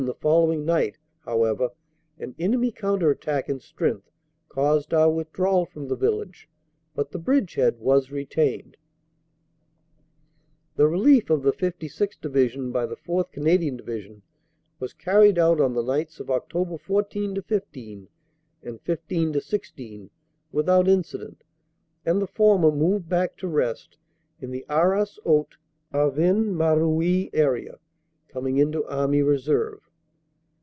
the following night, however, an enemy counter attack in strength caused our withdrawal from the village, but the bridgehead was retained. "The relief of the 56th. Division by the 4th. Canadian Division was carried out on the nights of Oct. 14 15 and 15 16 without incident, and the former moved back to rest in the Arras Haute Avesnes Maroeuil area, coming into Army Reserve.